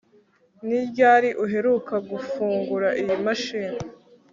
ni ryari uheruka gufungura iyi mashini